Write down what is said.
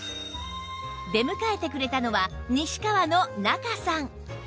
出迎えてくれたのは西川の仲さん